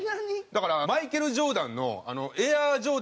だからマイケル・ジョーダンの。